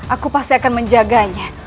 aku pasti akan menjaganya